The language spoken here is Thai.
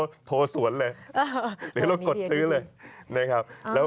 เราโทรสวนเลยหรือเรากดซื้อเลยนะครับ